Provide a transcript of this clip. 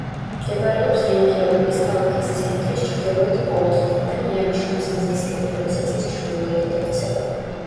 მდებარეობს რეიკიავიკის ქალაქის ცენტრის ჩრდილოეთ პორტთან და მიანიშნებს მზისკენ, როდესაც ის ჩრდილოეთით ექცევა.